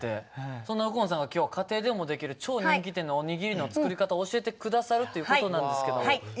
そんな右近さんが今日家庭でもできる超人気店のおにぎりの作り方教えてくださるっていうことなんですけどいいんですか？